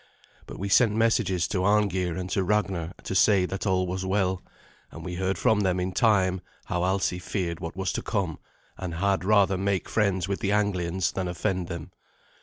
But we sent messages to Arngeir and to Ragnar to say that all was well, and we heard from them in time how Alsi feared what was to come, and had rather make friends with the Anglians than offend them.